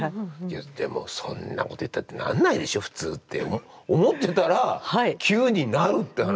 でも「そんなこと言ったってなんないでしょ普通」って思ってたら急になるって話。